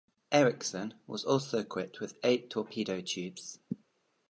"Ericsson" was also equipped with eight torpedo tubes.